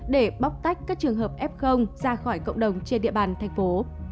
để bóc tách các trường hợp f ra khỏi cộng đồng trên địa bàn thành phố